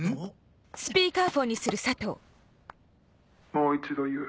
もう一度言う。